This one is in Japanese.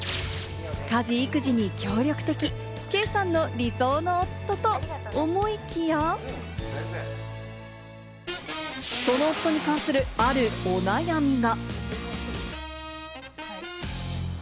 家事、育児に協力的、ケイさんの理想の夫と思いきや、その夫に関するあるお悩みが。